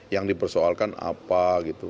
yang dipersoalkan apa gitu